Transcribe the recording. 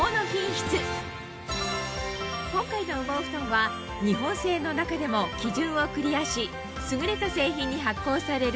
今回の羽毛ふとんは日本製の中でも基準をクリアし優れた製品に発行される